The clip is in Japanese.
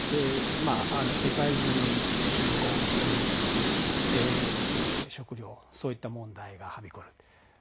世界中に貧困、エネルギー、食料そういった問題がはびこる。